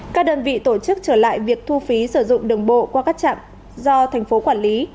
các đơn vị tổ chức trở lại việc thu phí sử dụng đường bộ qua các trạm do thành phố quản lý